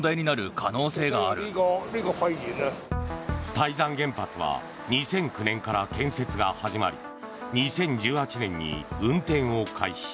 台山原発は２００９年から建設が始まり２０１８年に運転を開始。